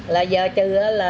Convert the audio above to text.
là giờ trừ là